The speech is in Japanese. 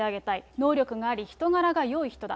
能力があり、人柄がよい人だ。